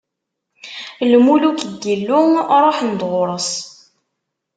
Lmuluk n Yillu ṛuḥen-d ɣur-s.